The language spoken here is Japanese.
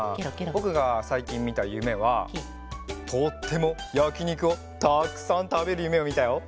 ぼくがさいきんみたゆめはとってもやきにくをたくさんたべるゆめをみたよ。